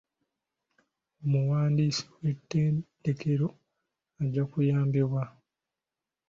Omuwandiisi w'ettendekero ajja kuyambibwa.